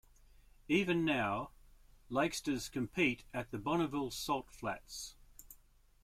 Even now, lakesters compete at the Bonneville Salt Flats.